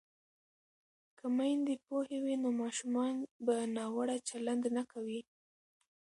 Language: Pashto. که میندې پوهې وي نو ماشومان به ناوړه چلند نه کوي.